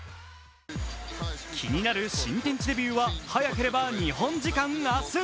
気になる新天地デビューは早ければ日本時間明日。